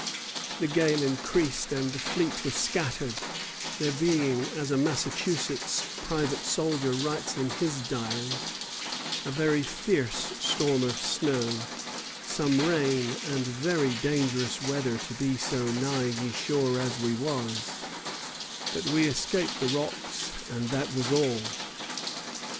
] The gale increased and the fleet was scattered, there being, as a Massachusetts private soldier writes in his diary, "a very fierse Storm of Snow, som Rain and very Dangerous weather to be so nigh ye Shore as we was; but we escaped the Rocks, and that was all."